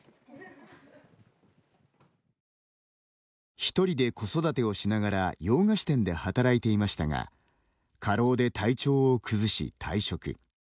ひとりで子育てをしながら洋菓子店で働いていましたが過労で体調を崩し、退職。